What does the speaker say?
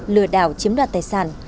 lừa đảo chiếm đoạt tài sản